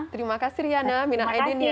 terima kasih riana minah aydin ya